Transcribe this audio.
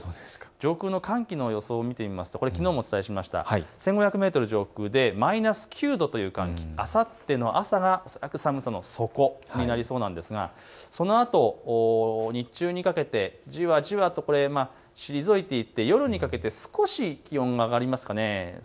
上空の寒気の予想を見てみますときのうもお伝えしました５００メートル上空でマイナス９度という寒気、あさっての朝がおそらく寒さの底になりそうなんですがそのあと日中にかけてじわじわと退いていって夜にかけて少し気温が上がりますかね。